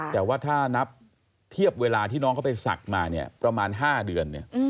แต่ว่าถ้านับเทียบเวลาที่น้องเขาไปศักดิ์มาเนี่ยประมาณ๕เดือน